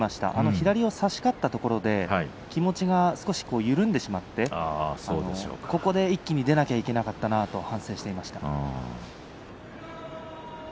左を差し勝ったところで気持ちが少し緩んでしまって一気に出なきゃいけなかったなと話していました。